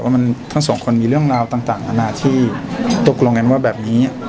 ทั้งสองคนมีเรื่องราวต่างนานาที่ตกลงกันว่าแบบนี้